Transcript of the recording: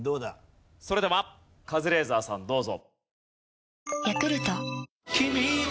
それではカズレーザーさんどうぞ。